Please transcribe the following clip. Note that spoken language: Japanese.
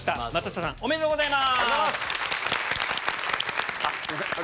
ありがとうございます。